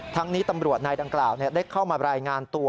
นี้ตำรวจนายดังกล่าวได้เข้ามารายงานตัว